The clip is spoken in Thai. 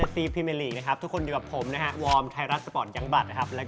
พี่ปลื้มไงพี่นั่งดูเราไงเข้าเราน้ำป้าไปกันเลย